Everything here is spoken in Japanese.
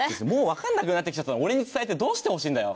わかんなくなってきちゃったのを俺に伝えてどうしてほしいんだよ？